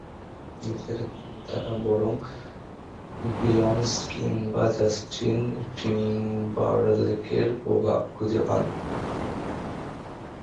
নিজেদের গানে তাঁরা বরং বিয়ন্স কিংবা জাস্টিন টিম্বারলেকের প্রভাব খুঁজে পান।